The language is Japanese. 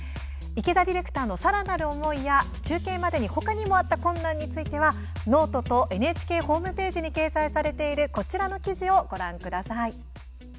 池田ディレクターのさらなる思いや、中継までに他にもあった困難についてはｎｏｔｅとＮＨＫホームページに掲載されているこちらの記事をご覧ください。